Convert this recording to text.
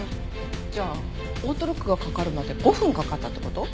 じゃあオートロックがかかるまで５分かかったって事？